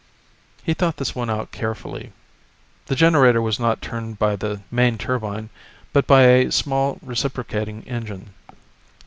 He thought this one out carefully. The generator was not turned by the main turbine, but by a small reciprocating engine.